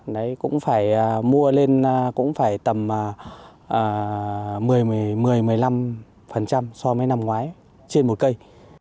đấy cũng phải mua lên cũng phải tầm một mươi năm so với năm ngoái trên một cây